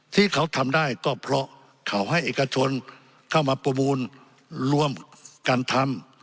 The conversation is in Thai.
ที่เขาทำได้ก็เพราะเขาให้เอกชนเข้ามาประมูลร่วมกันทำ